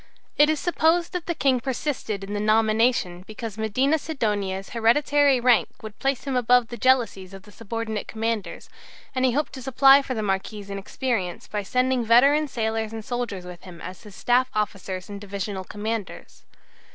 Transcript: It is supposed that the King persisted in the nomination because Medina Sidonia's hereditary rank would place him above the jealousies of the subordinate commanders, and he hoped to supply for the Marquis's inexperience by sending veteran sailors and soldiers with him as his staff officers and divisional commanders.